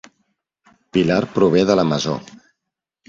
Pilar prové de la Masó